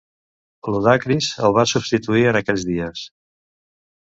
Ludacris el va substituir en aquells dies.